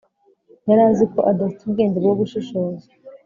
yari azi ko adafite ubwenge bwo gushishoza,